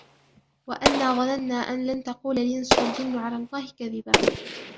وأنا ظننا أن لن تقول الإنس والجن على الله كذبا